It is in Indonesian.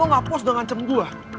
eh rin lo gak pos udah ngancam gue